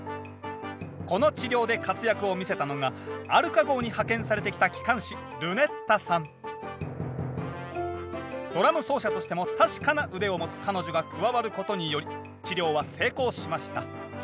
この治療で活躍を見せたのがアルカ号に派遣されてきたドラム奏者としても確かな腕を持つ彼女が加わることにより治療は成功しました。